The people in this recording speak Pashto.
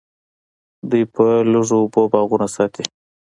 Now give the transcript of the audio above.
دوی په لږو اوبو باغونه ساتي.